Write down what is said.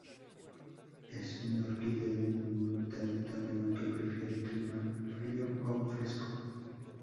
Es una orquídea diminuta de tamaño, que prefiere clima frío a fresco.